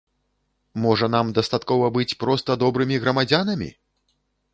Можа, нам дастаткова быць проста добрымі грамадзянамі?